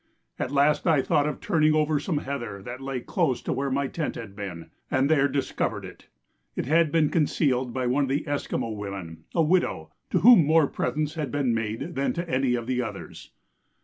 At last I thought of turning over some heather that lay close to where my tent had been, and there discovered it. It had been concealed by one of the Esquimaux women a widow to whom more presents had been made than to any of the others.